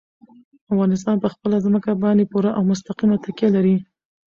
افغانستان په خپله ځمکه باندې پوره او مستقیمه تکیه لري.